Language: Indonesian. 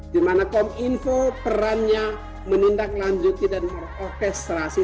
di mana kominfo perannya menindaklanjuti dan mengorkestrasi